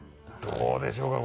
どうでしょうか？